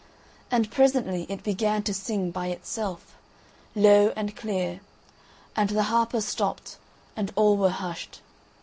And presently it began to sing by itself, low and clear, and the harper stopped and all were hushed.